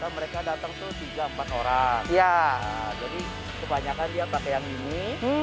mereka datang tuh tiga empat orang ya jadi kebanyakan dia pakai yang ini